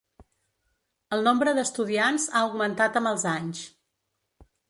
El nombre d'estudiants ha augmentat amb els anys.